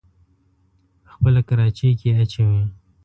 په خپله کراچۍ کې يې اچوي.